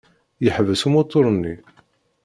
Yeḥbes umutur-nni.